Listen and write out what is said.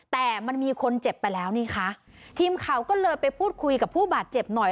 แต่มันมีคนเจ็บไปแล้วนี่คะทีมข่าวก็เลยไปพูดคุยกับผู้บาดเจ็บหน่อย